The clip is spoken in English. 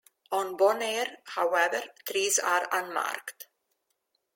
On Bonaire, however, trees are unmarked.